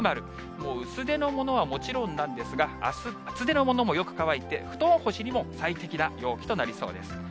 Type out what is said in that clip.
もう薄手のものはもちろんなんですが、あす、厚手のものもよく乾いて、布団干しにも最適な陽気となりそうです。